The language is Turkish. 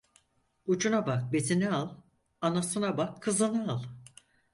Ucuna bak bezini al, anasına bak kızını al.